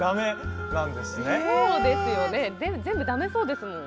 全部だめそうですもん。